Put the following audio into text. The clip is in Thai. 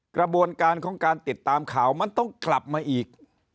กระบวนการของการติดตามข่าวมันต้องกลับมาอีก